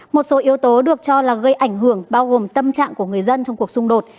một số yếu tố được cho là gây ảnh hưởng bao gồm tâm trạng của người dân trong cuộc xung đột